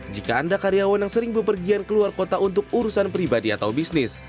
jika anda karyawan yang sering berpergian keluar kota untuk urusan pribadi atau bisnis